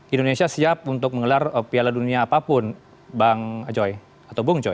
indonesia siap untuk menggelar piala dunia apapun bang joy atau bung joy